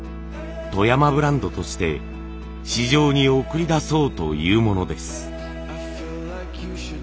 富山ブランドとして市場に送り出そうというものです。